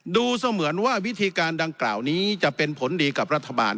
ดูเสมือนว่าวิธีการดังกล่าวนี้จะเป็นผลดีกับรัฐบาล